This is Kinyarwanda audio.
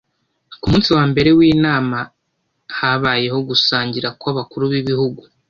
Ku munsi wa mbere w’inama habayeho gusangira kw’abakuru b’ibihugu